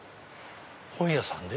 本屋さんで？